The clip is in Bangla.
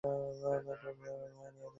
হেই, এভাবে দৌড়ালে তুমি হারিয়ে যাবে!